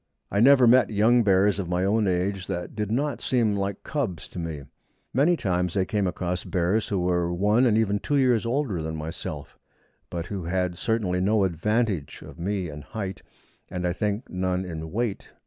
I never met young bears of my own age that did not seem like cubs to me. Many times I came across bears who were one and even two years older than myself, but who had certainly no advantage of me in height, and, I think, none in weight.